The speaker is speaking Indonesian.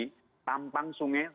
kemudian tampang sungai